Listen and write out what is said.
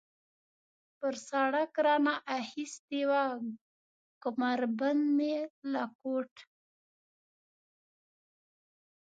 پر سړک را نه اخیستې وه، کمربند مې له کوټ.